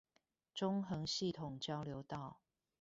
中橫系統交流道